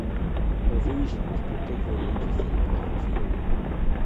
Pervushin was particularly interested in number theory.